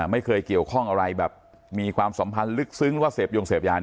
ไม่เคยเกี่ยวข้องอะไรแบบมีความสัมพันธ์ลึกซึ้งว่าเสพยงเสพยา